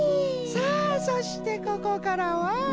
さあそしてここからは。